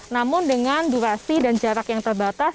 namun dengan durasi dan jarak yang terbatas